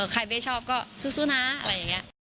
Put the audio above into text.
ใครไม่ชอบก็สู้นะอะไรอย่างนี้